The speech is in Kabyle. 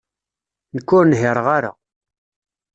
Nekk ur nhiṛeɣ ara.